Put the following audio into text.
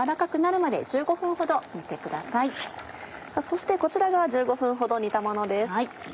そしてこちらが１５分ほど煮たものです。